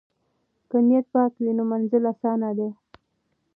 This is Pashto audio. که نیت پاک وي نو منزل اسانه دی.